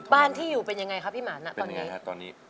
บ้านที่อยู่เป็นยังไงครับพี่หมานะตอนนี้